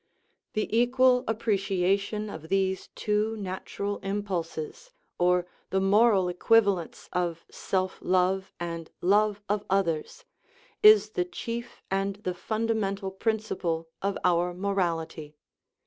The equal appreciation of these two natural impulses, or the moral equivalence of self love and love of others, is the chief and the fundamental principle of our mo rality.